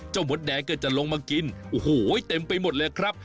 มดแดงก็จะลงมากินโอ้โหเต็มไปหมดเลยครับ